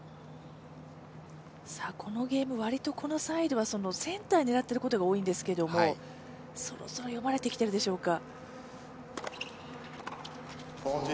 このゲーム、割とこのサイドはセンターになっていることが多いんですけどそろそろ読まれてきているでしょうか。